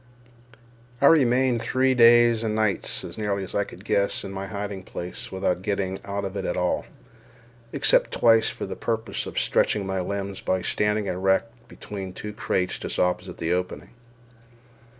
I remained three days and nights (as nearly as I could guess) in my hiding place without getting out of it at all, except twice for the purpose of stretching my limbs by standing erect between two crates just opposite the opening.